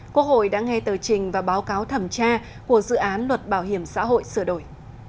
quốc hội đã nghe tờ trình và báo cáo thẩm tra của dự án luật bảo hiểm xã hội sửa đổi